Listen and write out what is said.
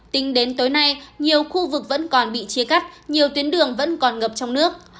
tính đến tối nay nhiều khu vực vẫn còn bị chia cắt nhiều tuyến đường vẫn còn ngập trong nước